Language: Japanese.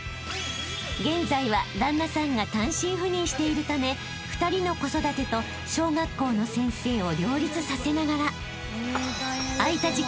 ［現在は旦那さんが単身赴任しているため２人の子育てと小学校の先生を両立させながら］